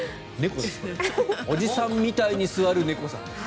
おじさんみたいに座る猫さんです。